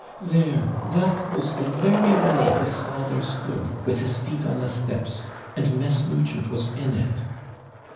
There! that was the very way his father stood with his feet on the steps. And Miss Nugent was IN IT.'